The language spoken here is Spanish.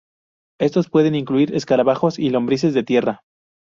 Estos pueden incluir escarabajos y lombrices de tierra.